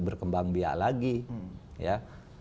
berkembang biak lagi ya